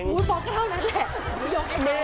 บอกไม่เท่านั้นแหละยกไอ้แม่